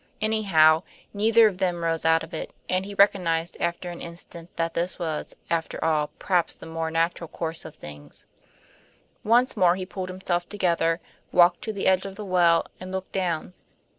Anyhow, neither of them rose out of it, and he recognized after an instant that this was, after all, perhaps the more natural course of things. Once more he pulled himself together, walked to the edge of the well and looked down.